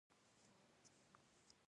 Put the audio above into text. ډېرو پیرانو ځانونه ستړي کړل.